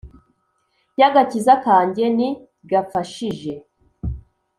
y agakiza kanjye ni gafashije